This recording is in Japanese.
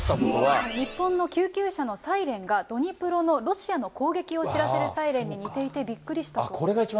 日本の救急車のサイレンがドニプロの、ロシアの攻撃を知らせるサイレンに似ていてびっくりしたと。